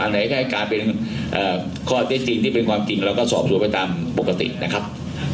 ไหนก็ให้กลายเป็นข้อเท็จจริงที่เป็นความจริงเราก็สอบสวนไปตามปกตินะครับ